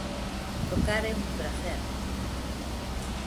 Tocar é un pracer.